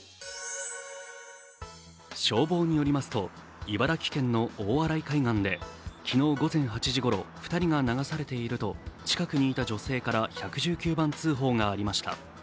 消防によりますと、茨城県の大洗海岸で昨日午前８時ごろ、２人が流されていると近くにいた女性から１１９番通報がありました。